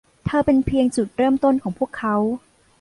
เธอเป็นเพียงจุดเริ่มต้นของพวกเขา